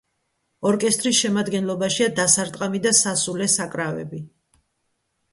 ორკესტრის შემადგენლობაშია დასარტყამი და სასულე საკრავები.